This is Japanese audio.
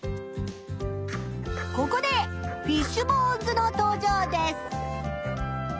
ここでフィッシュ・ボーン図の登場です。